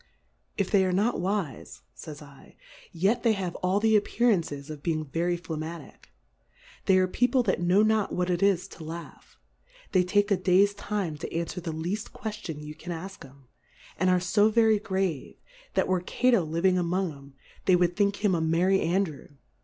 If they are not wife, fays 7, yet they have all the Ap pearances of being very Flegmatick : They are . People that know not what it is to laugh, they take a Days time to anfwer the leaft Queftion you can ask 'em ; and are fo very grave, that were Cato living among 'em, they would think him a Merry Andrew.